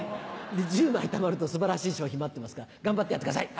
１０枚たまると素晴らしい賞品待ってますから頑張ってやってください。